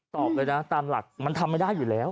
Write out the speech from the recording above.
ตอบเลยนะตามหลักมันทำไม่ได้อยู่แล้ว